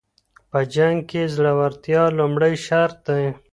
په جنګ کي زړورتیا لومړی شرط دی.